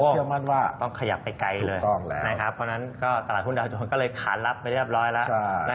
เพราะฉะนั้นก็ตลาดหุ้นดาวจงก็เลยขาดรับไปเรียบร้อยแล้ว